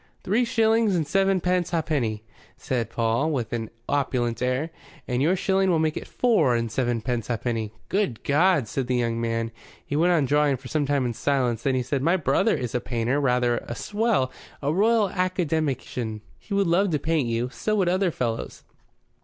"Three shillings and sevenpence ha'penny," said Paul, with an opulent air. "And yo'r shilling will make it four and sevenpence ha'penny." "Good God!" said the young man. He went on drawing for some time in silence. Then he said: "My brother is a painter rather a swell a Royal Academician. He would love to paint you. So would other fellows.